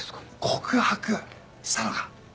告白したのか？